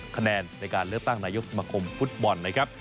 คะแนนในการเลือกตั้งนายกสมคมฟุตบอลนะครับ